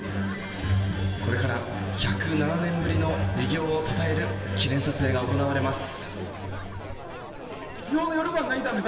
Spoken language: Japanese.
これから１０７年ぶりの偉業をたたえる記念撮影が行われます。